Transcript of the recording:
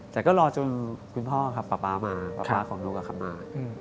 แต่ก็รอจนคุณพ่อครับปอปป๊ามาปอปป้าของนูกกับครับมา